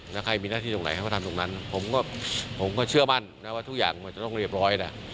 แล้วใครมีหน้าที่ตรงไหนให้เขาทำตรงนั้นผมก็ผมก็เชื่อมั่นนะว่าทุกอย่างมันจะต้องเรียบร้อยนะ